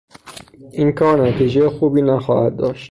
این کار نتیجه خوبی نخواهد داشت